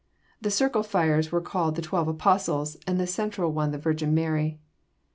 The circle fires were called the Twelve Apostles, and the central one the Virgin Mary.